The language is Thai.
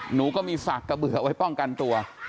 หนูก็มีสากกระเบื่อไว้ป้องกันตัว